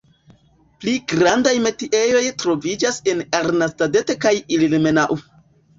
Pli grandaj metiejoj troviĝas en Arnstadt kaj Ilmenau.